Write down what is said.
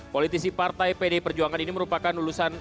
politisi partai pd perjuangan ini merupakan lulusan